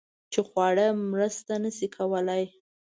چې خواړه مرسته نشي کولی